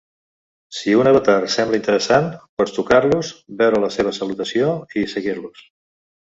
Si un avatar sembla interessant, pots tocar-los, veure la seva salutació i seguir-los.